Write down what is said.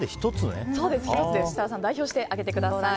設楽さん代表して上げてください。